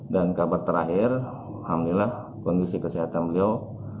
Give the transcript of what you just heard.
dan kabar terakhir alhamdulillah kondisi kesehatan beliau